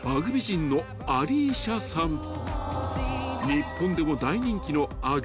［日本でも大人気のＵＧＧ］